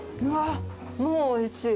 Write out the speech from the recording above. もうおいしい。